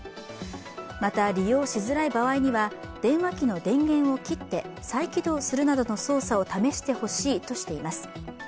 また、利用しづらい場合には、電話機の電源を切って再起動するなどの操作を試してほしいとしています。